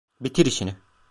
Bitir işini!